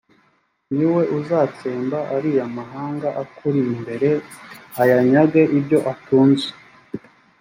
ni we uzatsemba ariya mahanga akuri imbere, ayanyage ibyo atunze.